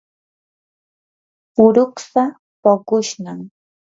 puruksa puqushnam.